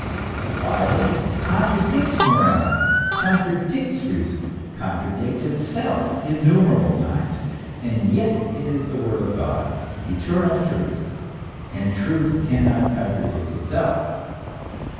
The Bible contradicts morality, contradicts reason, contradicts itself, innumerable times; and yet it is the word of God, eternal truth, and " truth cannot contradict itself."